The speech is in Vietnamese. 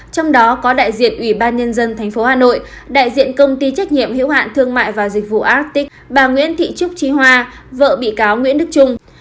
trong đó có đại diện ubnd tp hà nội đại diện công ty trách nhiệm hiệu hạn thương mại và dịch vụ arctic bà nguyễn thị trúc trí hoa vợ bị cáo nguyễn đức trung